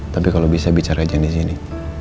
tapi kalau bisa bicara saja di sini